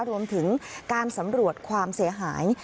รวมถึงการสำรวจความเสียหาย